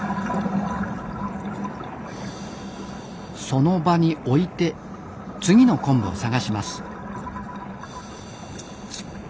その場に置いて次の昆布を探します。